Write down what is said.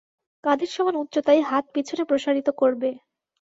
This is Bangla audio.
কাধের সমান উচ্চতায় হাত পিছনে প্রসারিত করবে।